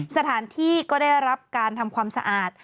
สถานที่ก็ได้รับการทำความสะอาด